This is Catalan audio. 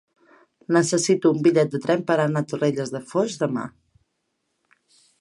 Necessito un bitllet de tren per anar a Torrelles de Foix demà.